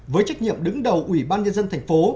với trách nhiệm đứng đầu ủy ban nhân dân thành phố